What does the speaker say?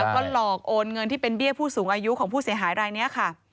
แล้วก็หลอกโอนเงินที่เป็นเบี้ยผู้สูงอายุของผู้เสียหายรายนี้ค่ะ